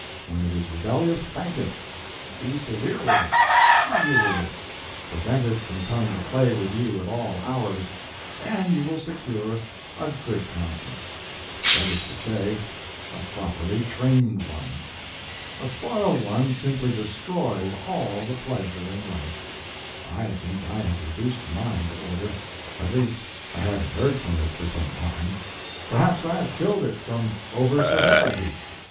When it is rebellious, spank it—be severe with it, argue with it, prevent it from coming to play with you at all hours, and you will secure a good conscience; that is to say, a properly trained one. A spoiled one simply destroys all the pleasure in life. I think I have reduced mine to[Pg 177] order. At least, I haven't heard from it for some time. Perhaps I have killed it from over severity.